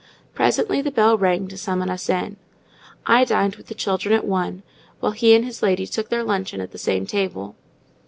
Presently the bell rang to summon us in. I dined with the children at one, while he and his lady took their luncheon at the same table.